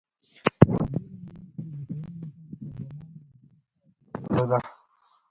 د ډېرو مالیاتو وضعه کولو لپاره پارلمان رضایت ته اړتیا درلوده.